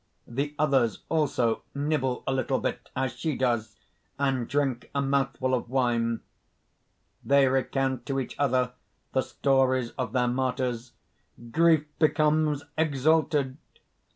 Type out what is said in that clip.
_ The others also nibble a little bit as she does and drink a mouthful of wine. _They recount to each other the stories of their martyrs; grief becomes exalted!